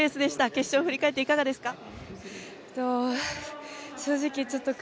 決勝振り返っていかがですか。